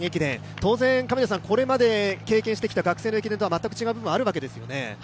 当然、これまで経験してきた学生の駅伝とは全く駅伝ということはあるわけですよね？